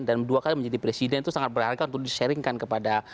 dan dua kali menjadi presiden itu sangat berharga untuk di sharingkan kepada